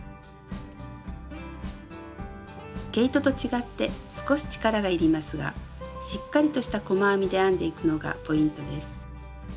毛糸と違って少し力がいりますがしっかりとした細編みで編んでいくのがポイントです。